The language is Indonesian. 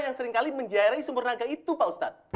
yang seringkali menjairai sumur raga itu pak ustadz